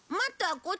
こっち！